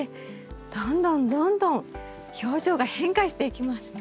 どんどんどんどん表情が変化していきますね。